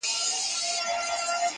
ماشومانو ته به کومي کیسې یوسي-